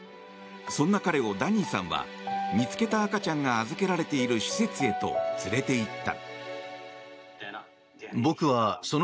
そんな彼を、ダニーさんは見つけた赤ちゃんが預けられている施設へと連れて行った。